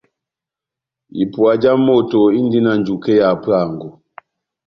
Ipuwa já moto indi na njuke ya hapuango.